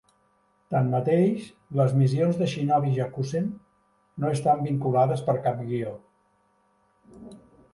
Tanmateix, les missions de "Shinobi Hyakusen" no estan vinculades per cap guió.